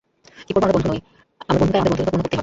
কি করবো, আমরা বন্ধু তাই, আমাদের বন্ধুত্ব তো পূর্ণ করতেই হবে।